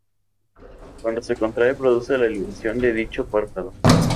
Cuando se contrae produce la elevación de dicho párpado.